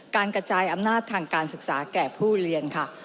การกระจายอำนาจทางการศึกษาแก่ผู้เรียนค่ะ